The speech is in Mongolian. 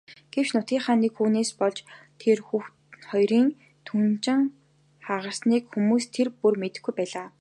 Гэвч нутгийнхаа нэг хүүхнээс болж тэр хоёрын түнжин хагарсныг хүмүүс тэр бүр мэдэхгүй байлаа.